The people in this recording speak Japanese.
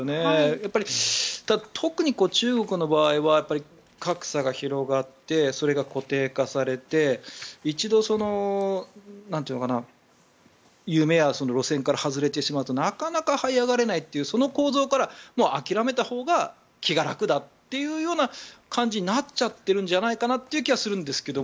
やっぱり、特に中国の場合は格差が広がってそれが固定化されて一度、夢や路線から外れてしまうとなかなかはい上がれないというその構図からもう諦めたほうが気が楽だという感じになっちゃってるんじゃないかなという気がするんですけど